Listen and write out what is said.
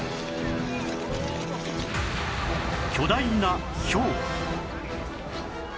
巨大なひょうえっ！？